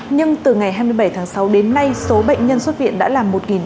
nhưng từ ngày hai mươi bảy tháng sáu đến nay số bệnh nhân xuất viện đã là một bảy trăm một mươi hai